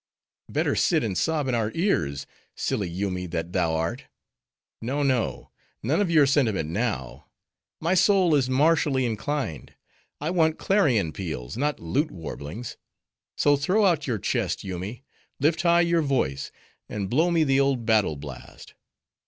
"Better sit and sob in our ears, silly Yoomy that thou art!—no! no! none of your sentiment now; my soul is martially inclined; I want clarion peals, not lute warblings. So throw out your chest, Yoomy: lift high your voice; and blow me the old battle blast.